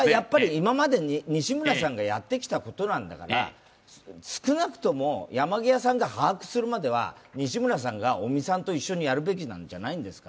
今まで西村さんがやってきたことだから少なくとも、山際さんが把握するまでは西村さんが尾身さんと一緒にやるべきなんじゃないですか。